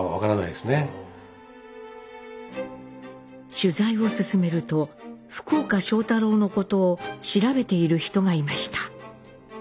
取材を進めると福岡庄太郎のことを調べている人がいました。